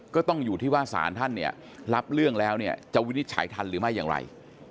ก็ต้องอยู่ที่ว่าสารท่านเนี่ยรับเรื่องแล้วเนี่ยจะวินิจฉัยทันหรือไม่อย่างไร